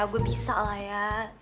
gue bisa lah ya